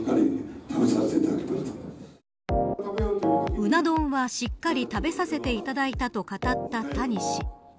うな丼はしっかり食べさせていただいたと語った谷氏。